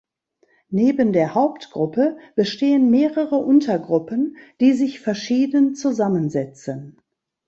Neben der Hauptgruppe bestehen mehrere Untergruppen, die sich verschieden zusammensetzen.